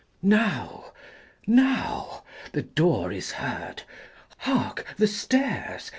XXIV. ``Now now'' the door is heard! Hark, the stairs!